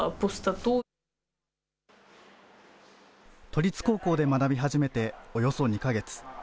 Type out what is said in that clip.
都立高校で学び始めておよそ２か月。